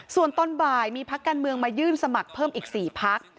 ส่วนตอนบ่ายมีพักการเมืองมายื่นสมัครเพิ่มอีก๔พัก